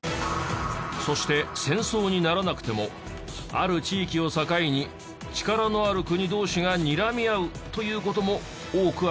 そして戦争にならなくてもある地域を境に力のある国同士がにらみ合うという事も多くあります。